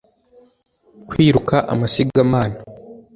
kwiruka amasigamana